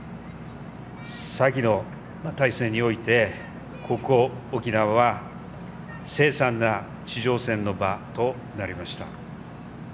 先の大戦において、ここ沖縄は凄惨な地上戦の場となりました。